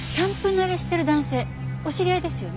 慣れしてる男性お知り合いですよね？